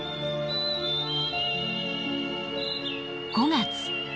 ５月。